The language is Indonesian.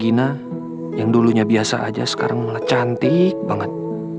gina yang dulunya biasa aja sekarang malah cantik banget